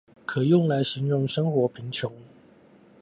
可用來形容生活貧窮？